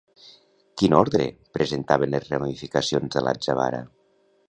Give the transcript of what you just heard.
Quin ordre presenten les ramificacions de l'atzavara?